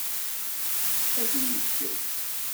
Ad nneggez.